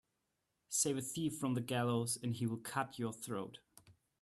Save a thief from the gallows and he will cut your throat